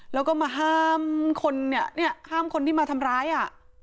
แล้วก็มาห้ามคนเนี่ยห้ามคนที่มาทำร้ายอ่ะ